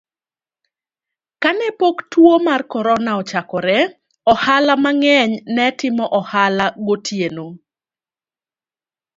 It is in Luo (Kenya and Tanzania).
Kane pok tuwo mar Corona ochakore, ohala mang'eny ne timo ohala gotieno,